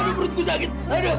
aduh perutku sakit